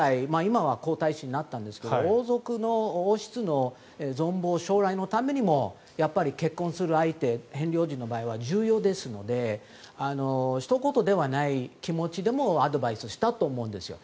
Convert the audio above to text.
今は皇太子になったんですが王族の王室の存亡将来のためにも、結婚する相手ヘンリー王子の場合は重要ですのでひと事ではない気持ちでもアドバイスしたと思うんですよ。